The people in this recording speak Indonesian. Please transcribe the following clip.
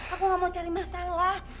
aku gak mau cari masalah